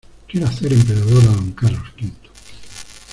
quiero hacer emperador a Don Carlos V.